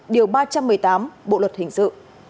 điều ba trăm một mươi tám bộ luật hình sự